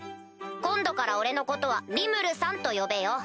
今度から俺のことは「リムルさん」と呼べよ。